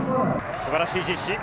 素晴らしい実施。